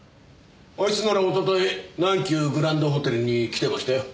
あいつならおととい南急グランドホテルに来てましたよ。